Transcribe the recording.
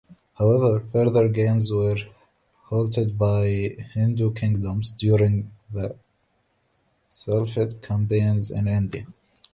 However, further gains were halted by Hindu kingdoms during the Caliphate campaigns in India.